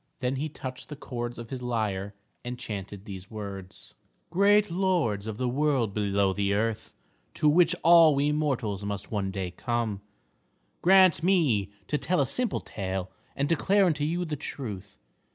Then he touched the chords of his lyre and chanted these words: "Great lords of the world below the earth, to which all we mortals must one day come, grant me to tell a simple tale and declare unto you the truth.